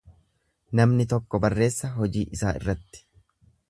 Namni tokko barreessa hojii isaa irratti.